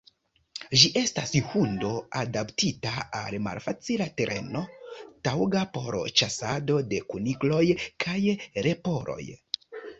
Ĝi estas hundo adaptita al malfacila tereno, taŭga por ĉasado de kunikloj kaj leporoj.